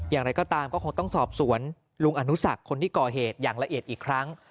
อย่างไรก็ตามก็คงต้องสอบสวนลุงอนุสักคนที่ก่อเหตุอย่างละเอียดอีกครั้ง